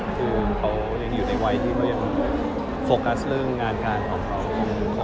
คือเขายังอยู่ในไว้ที่ไม่ฟโกัสเรื่องงานการของเขา